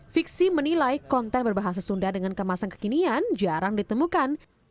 fiksi menilai konten berbahasa sunda dengan kemasan kekinian jarang ditemukan